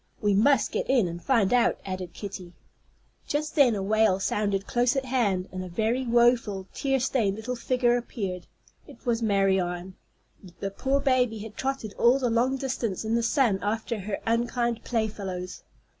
"We must get in and find out," added Kitty. Just then a wail sounded close at hand, and a very woful, tear stained little figure appeared. It was Marianne. The poor baby had trotted all the long distance in the sun after her unkind playfellows.